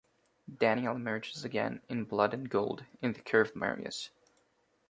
Daniel emerges again in "Blood and Gold" in the care of Marius.